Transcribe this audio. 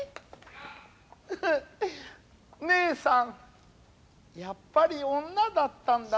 フフねえさんやっぱり女だったんだなあ。